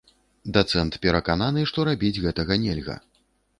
Дацэнт перакананы, што рабіць гэтага нельга.